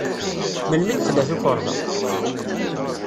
Melmi d-tella tukerḍa?